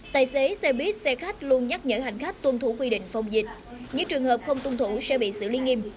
tài xế xe buýt xe khách luôn nhắc nhở hành khách tuân thủ quy định phòng dịch những trường hợp không tuân thủ sẽ bị xử lý nghiêm